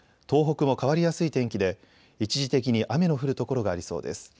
東北も変わりやすい天気で一時的に雨の降る所がありそうです。